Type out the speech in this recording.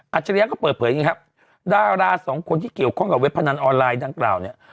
ฉริยะก็เปิดเผยอย่างนี้ครับดาราสองคนที่เกี่ยวข้องกับเว็บพนันออนไลน์ดังกล่าวเนี่ย